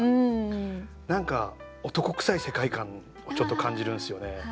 何か男くさい世界観をちょっと感じるんですよね。